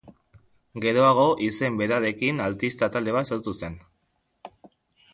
Geroago izen berarekin artista talde bat sortu zen.